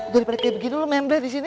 daripada kayak begini lu membleh disini